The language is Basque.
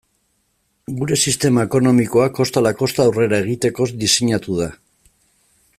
Gure sistema ekonomikoa kosta ala kosta aurrera egiteko diseinatu da.